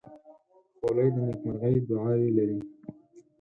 خولۍ د نیکمرغۍ دعاوې لري.